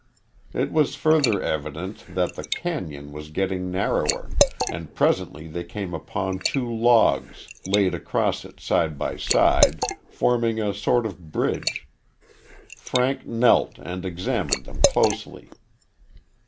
It was further evident that the cañon was getting narrower, and presently they came upon two logs, laid across it side by side, forming a sort of bridge. Frank knelt and examined them closely.